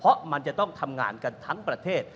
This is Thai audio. เพราะมันจะต้องทำงานกันทั้งประเทศ